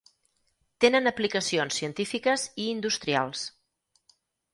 Tenen aplicacions científiques i industrials.